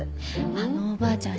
あのおばあちゃん